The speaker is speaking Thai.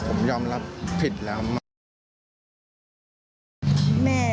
ผมยอมรับผิดแล้วมาก